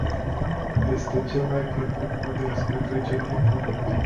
Este cel mai plăcut mod de ați petrece timpul liber.